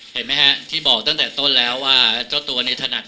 เห็นไหมฮะที่บอกตั้งแต่ต้นแล้วว่าเจ้าตัวนี้ถนัด